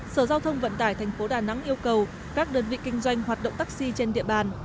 sở giao thông vận tải tp đà nẵng yêu cầu các đơn vị kinh doanh hoạt động taxi trên địa bàn